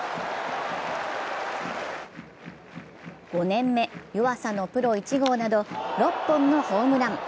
５年目・湯浅のプロ１号など６本のホームラン。